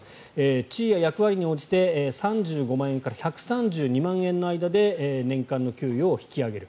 地位や役割に応じて３５万円から１３２万円の間で年間の給与を引き上げる。